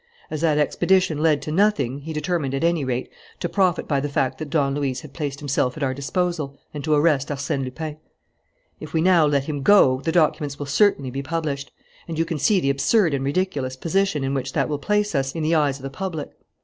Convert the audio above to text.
As that expedition led to nothing, he determined, at any rate, to profit by the fact that Don Luis had placed himself at our disposal and to arrest Arsène Lupin. "If we now let him go the documents will certainly be published; and you can see the absurd and ridiculous position in which that will place us in the eyes of the public.